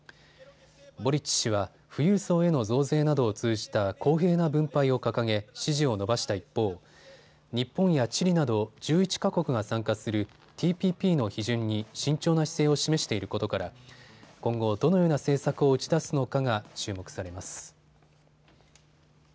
ボリッチ氏は富裕層への増税などを通じた公平な分配を掲げ支持を伸ばした一方、日本やチリなど１１か国が参加するＴＰＰの批准に慎重な姿勢を示していることから今後、どのような政策を打ち出すのかが注目されます。